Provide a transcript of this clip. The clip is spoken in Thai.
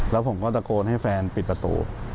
แล้วผมก็ตะโกนให้แฟนปิดประตู